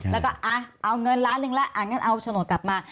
แล้วก็เอาเงินล้านหนึ่งแล้วอ่ะงั้นเอาโฉนดกลับมา